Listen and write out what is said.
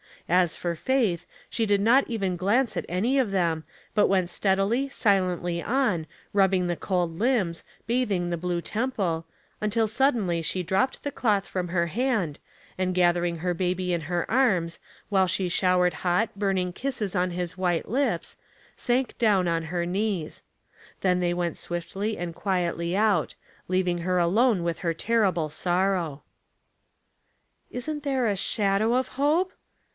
As for Faith, she did not even glance at any of them, but went steadily, silently on, rubbing the cold limbs, bathing the blue temple, until sud denly she dropped the cloth from her hand, and gathering her baby in her arms, while she showered hot, burning kisses on his white lips, sank down on her knees. Then they went swiftly and quietly out, leaving her alone with her terrible sorrow. '' Isn't there a shadow of hope